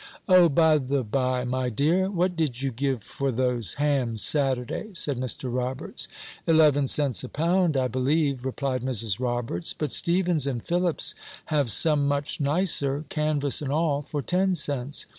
"O, by the by, my dear, what did you give for those hams Saturday?" said Mr. Roberts. "Eleven cents a pound, I believe," replied Mrs. Roberts; "but Stephens and Philips have some much nicer, canvas and all, for ten cents.